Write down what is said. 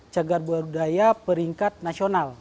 cegar budaya peringkat nasional